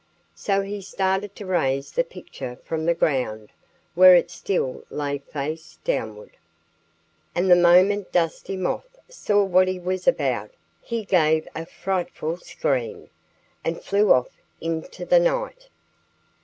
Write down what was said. So he started to raise the picture from the ground, where it still lay face downward. And the moment Dusty Moth saw what he was about he gave a frightful scream and flew off into the night.